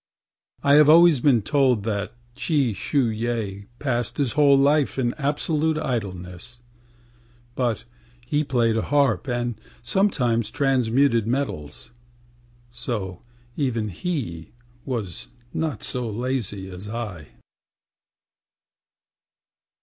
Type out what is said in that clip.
I have always been told that Chi Shu yeh Passed his whole life in absolute idleness. But he played the harp and sometimes transmuted metals, So even he was not so lazy as I.